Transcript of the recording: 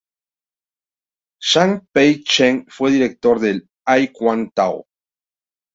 Zhang Pei-Cheng fue director de I-Kuan Tao.